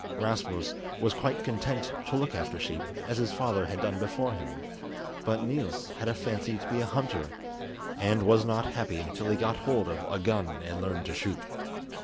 Rasmus was quite content to look after sheep, as his father had done before him, but Niels had a fancy to be a hunter, and was not happy till he got hold of a gun and learned to shoot.